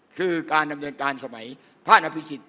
คือการดำเนินการสมัยภาคนัพพิสิต